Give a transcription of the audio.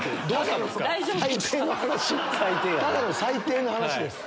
ただの最低な話です。